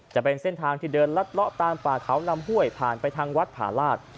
จะเป็นเส้นทางที่เดินลัดเลาะตามป่าเขาลำห้วยผ่านไปทางวัดผาลาศ